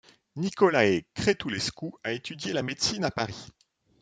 Nicolae Crețulescu a étudié la médecine à Paris.